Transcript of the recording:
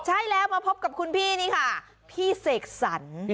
ใช่แล้วมาพบกับคุณพี่นี่ค่ะพี่เสกสรร